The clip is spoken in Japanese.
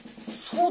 そう。